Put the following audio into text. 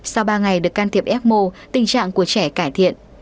sau ba ngày được can thiệp ecmo tình trạng của trẻ cải thiện